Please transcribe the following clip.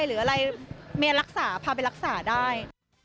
หรืออะไรเมียรักษาพาไปรักษาได้